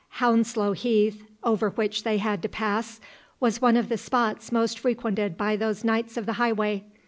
Hounslow Heath, over which they had to pass, was one of the spots most frequented by those knights of the highway.